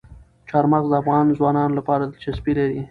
چار مغز د افغان ځوانانو لپاره دلچسپي لري.